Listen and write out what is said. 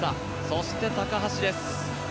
そして、高橋です。